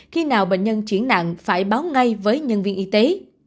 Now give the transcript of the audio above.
khi nào bệnh nhân chuyển nặng phải báo ngay với nhân viên y tế